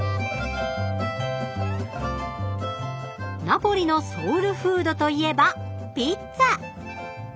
ナポリのソウルフードといえばピッツァ！